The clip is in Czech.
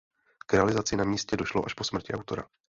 K realizaci na místě došlo až po smrti autora.